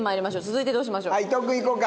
続いてどうしましょう？